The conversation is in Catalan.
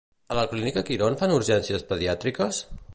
A la Clínica Quirón fan urgències pediàtriques?